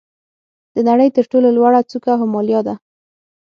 د نړۍ تر ټولو لوړه څوکه هیمالیا ده.